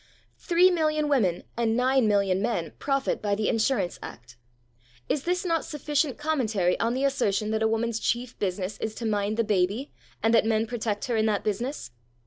Three million women and nine million men profit by the Insurance Act. Is this not sufficient commentary on the assertion that a woman's chief business is to mind the baby and that men protect her in that business?